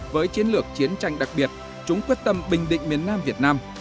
với chiến lược chiến tranh đặc biệt chúng quyết tâm bình định miền nam việt nam